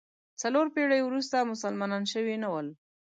څلور پېړۍ وروسته مسلمانان شوي نه ول.